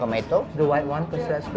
pembunuh putih itu bisa dihormati